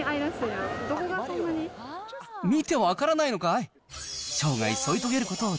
見て分からないのかい？